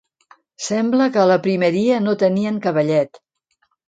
Sembla que a la primeria no tenien cavallet.